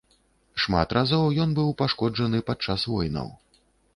Шмат разоў ён быў пашкоджаны падчас войнаў.